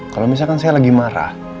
kalau misalkan saya lagi marah